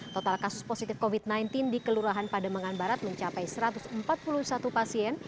total kasus positif covid sembilan belas di kelurahan pademangan barat mencapai satu ratus empat puluh satu pasien